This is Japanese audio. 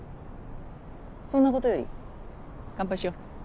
そんなことより乾杯しよう。